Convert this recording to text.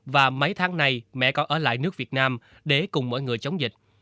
và mấy tháng này mẹ con ở lại nước việt nam để cùng mỗi người chống dịch